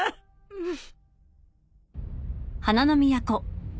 うん。